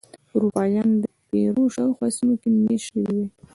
اروپایان به د پیرو شاوخوا سیمو کې مېشت شوي وای.